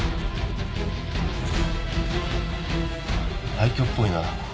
廃虚っぽいな。